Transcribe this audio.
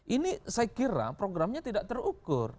ini saya kira programnya tidak terukur